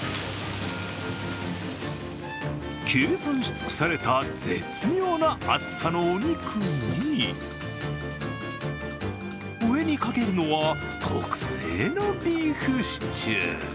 計算し尽くされた絶妙な厚さのお肉に上にかけるのは特製のビーフシチュー。